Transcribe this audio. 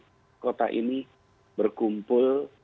jangan sinis saat ini kita memang sedang berhadapan dengan banyak new covid